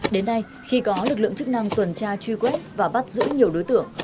đến nay khi có lực lượng chức năng tuần tra truy quét và bắt giữ nhiều đối tượng